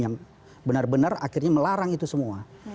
yang benar benar akhirnya melarang itu semua